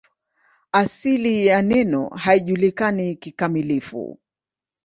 Asili ya neno haijulikani kikamilifu.